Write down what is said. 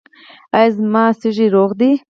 ایا زما سږي روغ دي؟